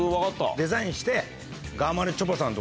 デザインして。